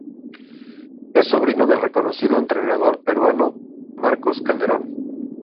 Es sobrino del reconocido entrenador peruano Marcos Calderón.